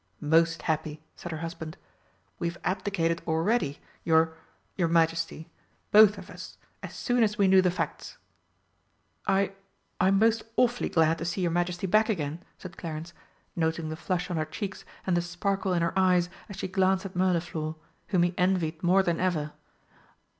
'" "Most happy," said her husband. "We've abdicated already, your your Majesty both of us as soon as we knew the facts." "I I'm most awfully glad to see your Majesty back again," said Clarence, noting the flush on her cheeks and the sparkle in her eyes as she glanced at Mirliflor, whom he envied more than ever.